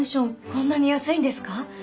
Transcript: こんなに安いんですか？